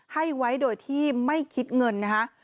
ให้ไว้โดยที่ไม่คิดเงินนะคะ